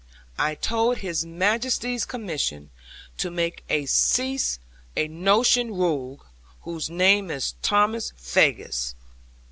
I hold His Majesty's commission, to make to cease a notorious rogue, whose name is Thomas Faggus."